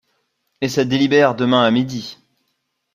Et ça délibère demain à midi!